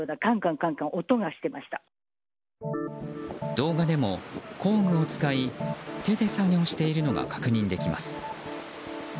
動画でも工具を使い、手で作業しているのが確認できます。